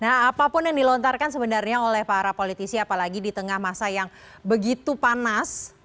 nah apapun yang dilontarkan sebenarnya oleh para politisi apalagi di tengah masa yang begitu panas